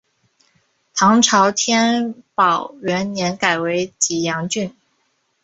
唐朝天宝元年改为济阳郡。